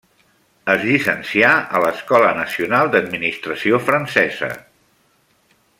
Es llicencià a l'Escola Nacional d'Administració francesa.